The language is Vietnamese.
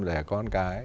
lẻ con cái